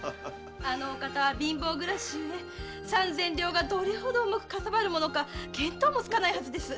あの方は貧乏暮らしゆえ三千両がどれほど重くかさばるものか見当もつかないはずです。